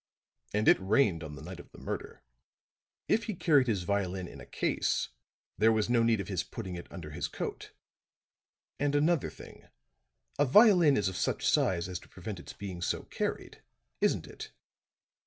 And it rained on the night of the murder. If he carried his violin in a case, there was no need of his putting it under his coat. And, another thing, a violin case is of such size as to prevent its being so carried, isn't it?"